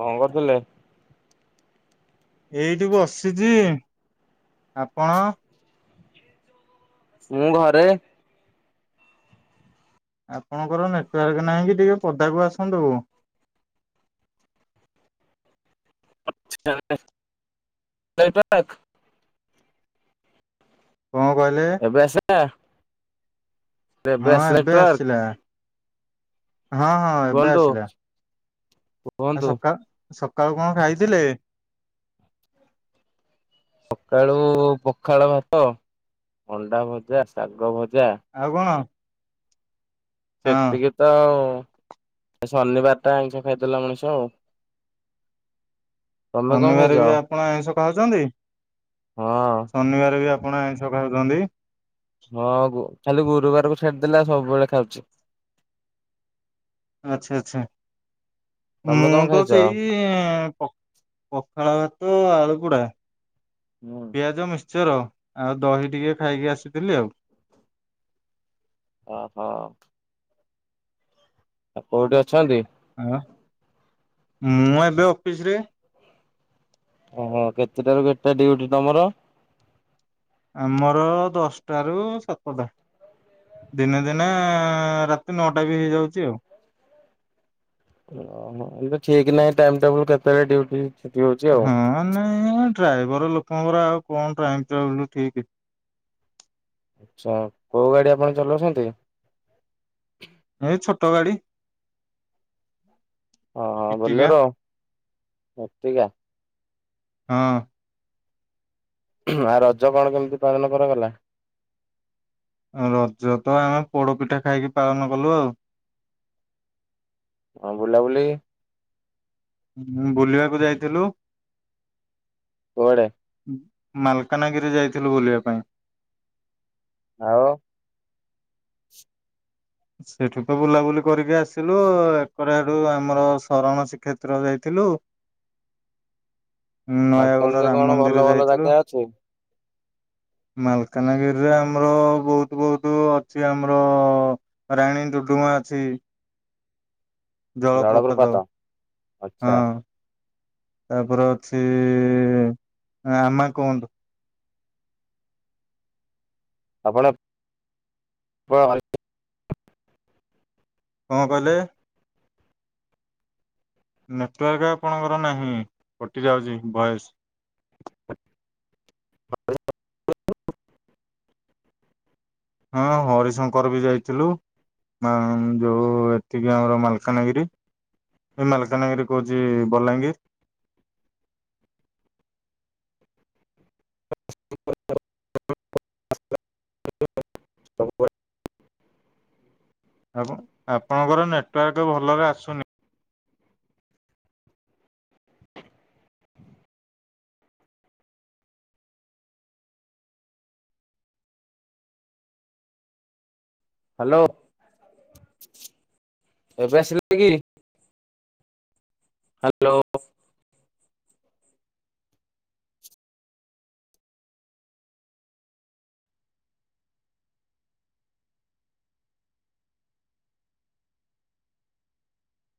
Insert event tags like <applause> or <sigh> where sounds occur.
କଣ କରିଥିଲେ? ଏଇଠି ବସିଚି ଆପଣ? ମୁଁ ଘରେ। ଆପଣଙ୍କର ନେଟୱାର୍କ ନାହିଁ କି ଟିକେ ପଦାକୁ ଆସନ୍ତୁ। ଅଛି <inaudible> ନେଟୱାର୍କ। କଣ କହିଲେ? ଏବେ ଆସିଲା? ହଁ ଆସିଲା ଏବେ ନେଟୱାର୍କ। ଆସିଲା ହଁ ହଁ ଏବେ କୁହନ୍ତୁ ଆସିଲା। ଆଜି କୁହନ୍ତୁ ସକା ସକାଳୁ କଣ ଖାଇଥିଲେ? ସକାଳୁ ପଖାଳ ଭାତ, ଅଣ୍ଡା ଭଜା, ଶାଗ ଭଜା ଆଉ କଣ? ହଁ ସେତିକି ତ ଆଉ ଆଜି ଶନିବାର ଟା ଆଇଁଷ ଖାଇଦେଲା ମଣିଷ ଆଉ। <inaudible> ଖାଇଛ? ଶନିବାରେ ବି ଆପଣ ଆଇଁଷ ଖାଉଛନ୍ତି ହଁ ଶନିବାରେ ବି ଆ କଣ ଆଇଁଷ ଖାଉଚନ୍ତି? ହଁ ଗୋ ଖାଲି ଗୁରୁବାର କୁ ଛାଡିଦେଲେ ଆଉ ସବୁବେଳେ ଖାଉଚି। ଆଚ୍ଛା ଆଚ୍ଛା ତମେ କଣ ମୁଁ ତ ଖାଇଛ? ସେଇ କେଁ ପଖାଳ ଭାତ ଆଳୁ ପୋଡା ହୁଁ। ପିଆଜ ମିକ୍ସିଚର ଆଉ ଦହି ଟିକେ ଖାଇକି ଆସିଥିଲି ଆଉ। ଅହ। ଆ କୋଉଠି ଅଛନ୍ତି? ଆଁ ମୁଁ ଏବେ ଅଫିସ୍‌ ରେ। ଓହୋ କେତେଟା ରୁ କେତେଟା ଡିୟୁଟି ତମର? ଆମର ଦଶଟା ରୁ ସାତଟା। ଦିନେ ଦିନେ ରା ତି ନଅଟା ବି ହେଇଯାଉଛି ଆଉ। ଓହୋ ଏ ଠିକ୍ ନାହିଁ ଟାଇମ୍ ଟେବୁଲ୍ କେତେବେଳେ ଡିୟୁଟି ହୁଁ ନାଇଁ ଡ୍ରାଇଭର ଲୋକଙ୍କର ଆଉ କଣ ଟାଇମ୍ ଟେବୁଲ୍ ଠିକ୍। ଆଚ୍ଛା କୋଉ ଗାଡି ଆପଣ ଚଲୋଉଛନ୍ତି? ହେଇ ଛୋଟ ଗାଡି। ହଁ ହଁ ଇଟିକା ବୋଲର ଭାଟିକା। ହଁ। ଆ ରଜ କଣ କେମିତି ପାଳନ କରାଗଲା? ରଜ ତ ଆମେ ପୋଡ଼ପିଠା ଖାଇକି ପାଳନ କଲୁ ଆଉ। ହଁ ବୁଲାବୁଲି? ହୁଁ ବୁଲିବାକୁ ଯାଇଥିଲୁ। କୁଆଡେ? ମାଲକାନ୍‌ଗିରି ଯାଇଥିଲୁ ବୁଲିବା ପାଇଁ। ଆଉ। ସେଠୁତ ବୁଲାବୁଲି କରିକି ଆସିଲୁ ଏକର ହେଠୁ ଆମର ଶରଣ ଶ୍ରୀକ୍ଷେତ୍ର ଯାଇଥିଲୁ। ମାଲକାନ୍‌ ନୟାଗଡ ରେ ରାମ କଣ ମନ୍ଦିର ଭଲ ଭଲ ଯାଇଥିଲୁ। ଜାଗା ଅଛି? ମାଲକାନ୍‌ଗିରି ରେ ଆମର ବହୁତୁ ବହୁତୁ ଅଛି ଆମର ରାଣୀ ଟୁଡୁମାଁ ଅଛି। ଜଳପ୍ରପାଦ ଜଳପ୍ରପାତ ଆଚ୍ଛା ହଁ ତାପରେ ଅଛି ଆମାକୋଣ୍ଡ। ଆପଣ। <unintelligible> କଣ କହିଲେ? ନେଟୱାର୍କ ଆପଣଙ୍କର ନାହିଁ କଟି ଯାଉଛି ଭଏସ୍‌। <unintelligible> ହଁ ହରିଶଙ୍କର ବି ଯାଇଥିଲୁ। ଆ ଯୋଉ ଏତିକି ଆମର ମାଲକାନ୍‌ଗିରି। ଏଇ ମାଲକାନ୍‌ଗିରି କହୁଚି ବଲାଙ୍ଗୀରି। <unintelligible> ଆ ଆପଣଙ୍କର ନେଟୱାର୍କ ଭଲରେ ଆସୁନି। ହ୍ୟାଲୋ ଏବେ ଆସିଲା? ହ୍ୟାଲୋ।